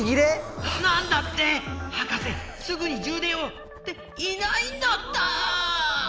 なんだって⁉博士すぐにじゅう電をっていないんだった。